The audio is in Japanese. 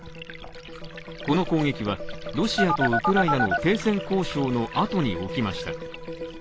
この攻撃はロシアとウクライナの停戦交渉のあとに起きました。